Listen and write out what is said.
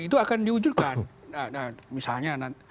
itu akan diwujudkan